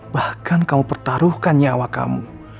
bahkan kau pertaruhkan nyawa kamu